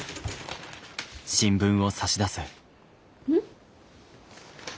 うん？